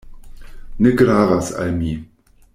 Ne gravas al mi.